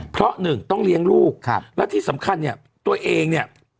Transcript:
เพราะหนึ่งต้องเลี้ยงลูกแล้วที่สำคัญเนี่ยตัวเองเนี่ย